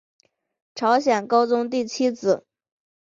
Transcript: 朝鲜高宗第七子。